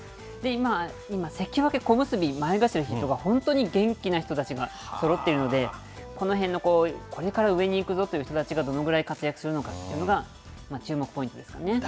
今、関脇、小結、前頭筆頭が本当に元気な人たちがそろっているので、このへんのこれから上にいくぞという人たちがどのぐらい活躍するのかっていうのが注目ポイントですね。